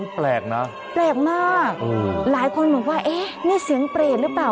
แปลกนะแปลกมากหลายคนบอกว่าเอ๊ะนี่เสียงเปรตหรือเปล่า